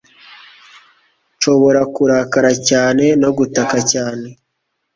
nshobora kurakara cyane, no gutaka cyane ..